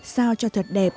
sao cho thật đẹp